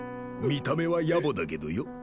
見た目はヤボだけどよ？